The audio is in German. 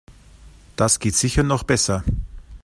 Das geht sicher noch besser.